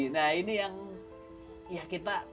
nah ini yang ya kita